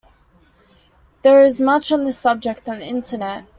There is much on this subject on the internet.